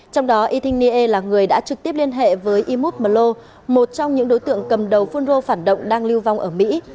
trong đó ethir là người đã trực tiếp liên hệ với imut mlo một trong những đối tượng cầm đầu phun rô phản động đang lưu vong ở mỹ